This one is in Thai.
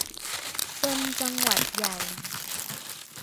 เป็นจังหวัดใหญ่